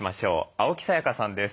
青木さやかさんです。